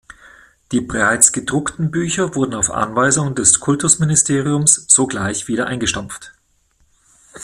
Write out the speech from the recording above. Die bereits gedruckten Bücher wurden auf Anweisung des Kultusministeriums sogleich wieder eingestampft.